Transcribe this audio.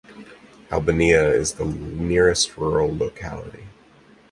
Albaniya is the nearest rural locality.